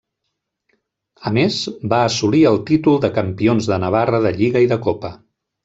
A més, va assolir el títol de Campions de Navarra de lliga i de copa.